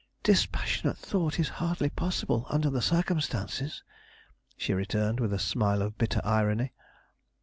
"Dispassionate thought is hardly possible under the circumstances," she returned, with a smile of bitter irony.